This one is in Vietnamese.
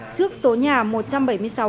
trước số nhà một trăm một mươi bảy